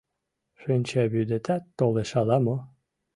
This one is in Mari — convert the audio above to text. Шинчавӱдетат толеш ала-мо.